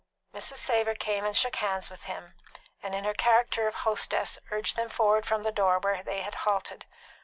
Mrs. Savor came and shook hands with them, and in her character of hostess urged them forward from the door, where they had halted.